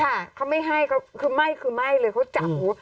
ค่ะเขาไม่ให้เขาคือไหม้คือไหม้เลยเขาจับหู